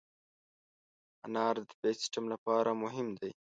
انار د دفاعي سیستم لپاره مهم دی.